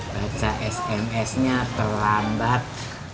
baca smsnya terlambat